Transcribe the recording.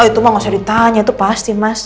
itu mah gak usah ditanya itu pasti mas